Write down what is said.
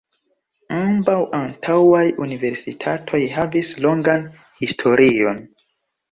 Ambaŭ antaŭaj universitatoj havis longan historion.